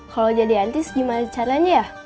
kalau jadi antis gimana caranya ya